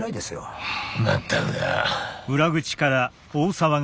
全くだ。